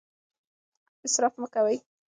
اسراف مه کوئ.